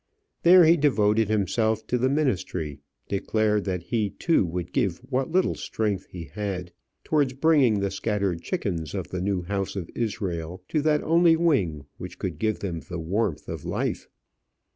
There he devoted himself to the ministry, declared that he, too, would give what little strength he had towards bringing the scattered chickens of the new house of Israel to that only wing which could give them the warmth of life.